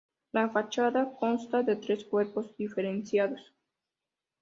La fachada consta de tres cuerpos diferenciados.